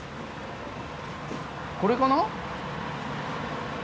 これかな？